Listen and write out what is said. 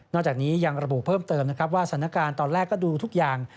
นอกจากนี้ยังระบุเพิ่มเติมว่าสนาการตอนแรกก็ดูทุกอย่าง